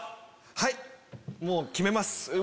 はいもう決めます。